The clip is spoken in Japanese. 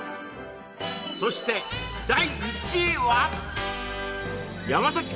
そして第１位は？